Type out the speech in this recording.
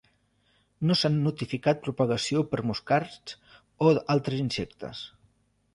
No s'han notificat propagació per moscards o altres insectes.